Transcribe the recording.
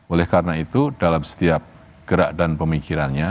oleh karena itu dalam setiap gerak dan pemikirannya